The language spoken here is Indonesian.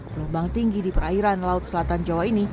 gelombang tinggi di perairan laut selatan jawa ini